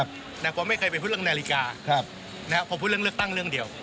แต่ผมไม่เคยไปพูดเรื่องนาฬิกาพอพูดเรื่องเลือกตั้งเรื่องเดียว